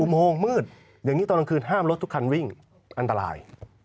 อุโมงเนื้องจอหลังคืนห้ามรถทุกคานวิ่งอันตราย